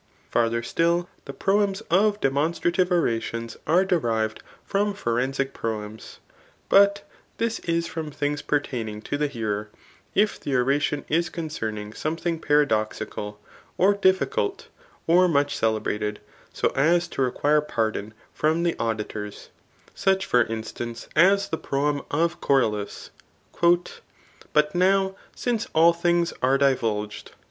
Farther still, the proems of demon strative orations are derived from forensic proems ; but this is from things pertaining to the hearer, if the oration is concerning something paradoxical, or difficult, or much celebrated, so as to require pardon from the audi tors ; such for instance *as the proem of Choerilus, But iiow since all things are divulged."